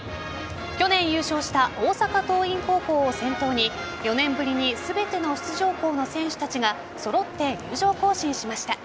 去年優勝した大阪桐蔭高校を先頭に４年ぶりに全ての出場校の選手たちが揃って入場行進しました。